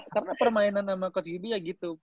karena permainan sama coach gibi ya gitu